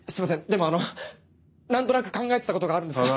でもあの何となく考えてたことがあるんですが。